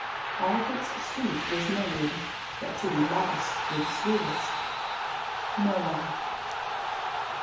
All that's sweet was made But to be lost when sweetest. — Moore.